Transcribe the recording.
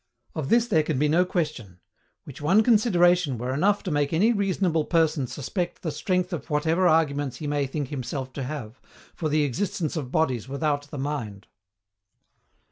Of this there can be no question which one consideration were enough to make any reasonable person suspect the strength of whatever arguments be may think himself to have, for the existence of bodies without the mind.